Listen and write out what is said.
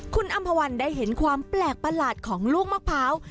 คุณอำภาวันได้เห็นความแปลกประหลาดของลูกมะพร้าว